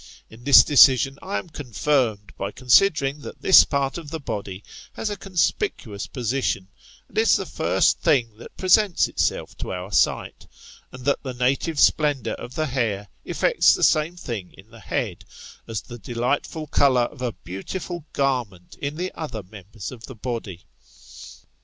In this decision I am confirmed, by considering that this part of the body has a conspicuous position, and is the first thing that presents itself to our sight ; and that the native splendour of the hair eflects the same thing in the head, as the delightful colour of a beautiful garment in the other members of the body.